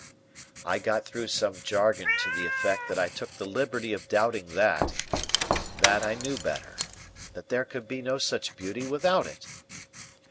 I got through some jargon to the effect that I took the liberty of doubting that. That I knew better. That there could be no such beauty without it.